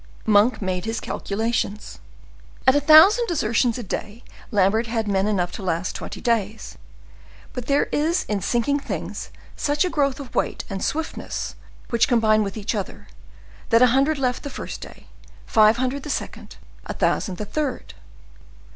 Monk made his calculations; at a thousand desertions a day Lambert had men enough to last twenty days; but there is in sinking things such a growth of weight and swiftness, which combine with each other, that a hundred left the first day, five hundred the second, a thousand the third.